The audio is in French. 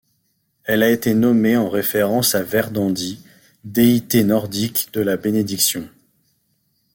Elle a été nommée en référence à Verdandi, déité nordique de la bénédiction.